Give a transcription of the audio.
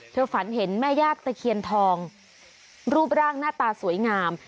ฝันเห็นแม่ญาติตะเคียนทองรูปร่างหน้าตาสวยงาม